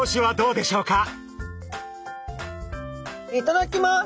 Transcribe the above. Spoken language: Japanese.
いただきます！